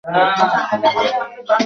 মনে হল এর মধ্যে দৈবের ইঙ্গিত রয়েছে।